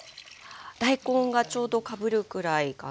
大根がちょうどかぶるぐらいかな。